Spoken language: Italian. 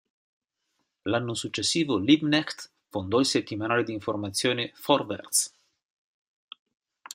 L'anno successivo Liebknecht fondò il settimanale di informazione "Vorwärts".